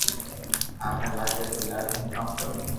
آپ ني لاگي تو لاگو ھون ڪاو ڪرو